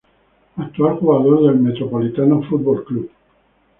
Actual jugador de Metropolitanos Fútbol Club.